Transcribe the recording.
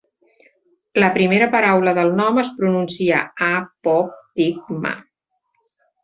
La primera paraula del nom es pronuncia a-pop-tig-ma.